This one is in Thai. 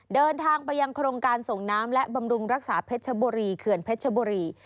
เดินทางไปยังโครงการส่งน้ำและบำรุงรักษาเพชรชบุรีเขื่อนเพชรบุรี